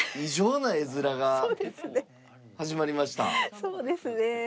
そうですね。